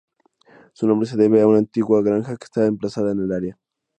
Su nombre se debe a una antigua granja que está emplazada en el área.